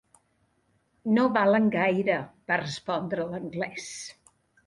"No valen gaire", va respondre l'anglès.